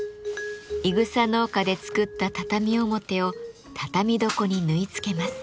いぐさ農家で作った畳表を畳床に縫い付けます。